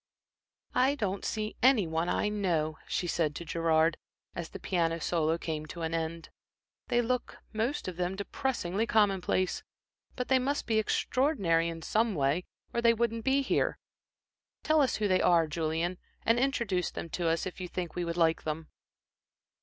"I don't see any one I know," she said to Gerard, as the piano solo came to an end. "They look, most of them, depressingly commonplace. But they must be extraordinary in some way, or they wouldn't be here. Tell us who they are, Julian, and introduce them to us if you think we would like them."